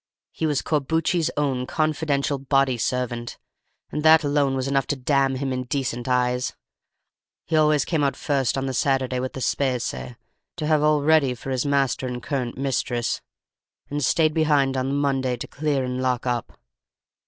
He was Corbucci's own confidential body servant, and that alone was enough to damn him in decent eyes: always came out first on the Saturday with the spese, to have all ready for his master and current mistress, and stayed behind on the Monday to clear and lock up.